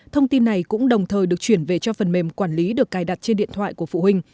thông tin này cũng đồng thời được chuyển về cho phần mềm quản lý được cài đặt trên điện thoại của phụ huynh